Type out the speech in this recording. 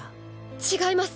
違います！